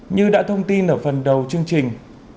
như đã thông tin ở phần đầu chương trình